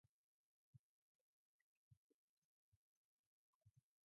When Wyatt demanded, Are you heeled or not?